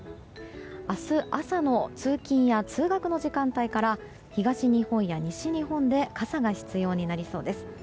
明日朝の通勤や通学の時間帯から東日本や西日本で傘が必要になりそうです。